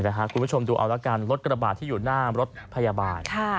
คุณผู้ชมดูเอาละกันรถกระบาดที่อยู่หน้ารถพยาบาล